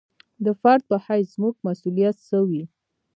د فرد په حیث زموږ مسوولیت څه وي.